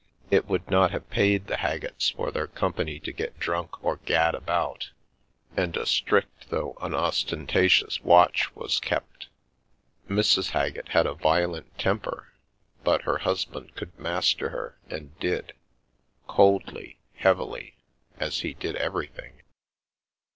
It would not have paid the Haggetts for their company to get drunk or gad about, and a strict though unostentatious watch was kept. Mrs. Haggett had a violent temper, but her husband could master her, and did — coldly, heavily, as he did everything.